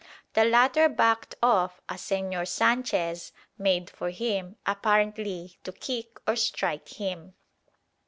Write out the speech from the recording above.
The latter backed off as Señor Sanchez made for him, apparently to kick or strike him.